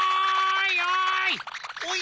・おい！